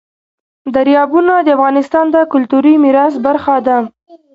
دریابونه د افغانستان د کلتوري میراث برخه ده.